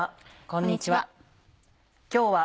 こんにちは。